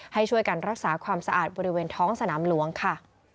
ให้ช่วยกันรักษาความสะอาดบริเวณท้องสนามหลวงค่ะ